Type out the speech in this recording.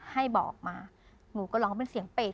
ให้บอกมาหนูก็ร้องเป็นเสียงเปรต